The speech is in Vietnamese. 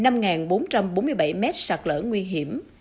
năm bốn trăm bốn mươi bảy mét sạt lở nguy hiểm